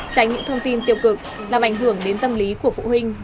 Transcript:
tránh những thông tin tiêu cực làm ảnh hưởng đến tâm lý của phụ huynh và học sinh